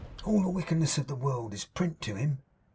'All the wickedness of the world is Print to him.